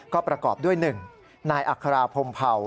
ก็ประกอบด้วย๑นายอัคราพรมเผา